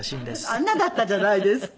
あんなだったじゃないですか。